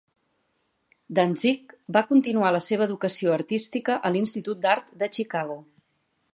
Dantzig va continuar la seva educació artística a l'Institut d'Art de Chicago.